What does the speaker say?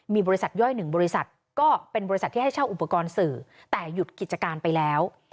มีบริษัทย่อยหนึ่งบริษัทก็เป็นบริษัทที่ให้เช่าอุปกรณ์สื่อแต่หยุดกิจการไปแล้ว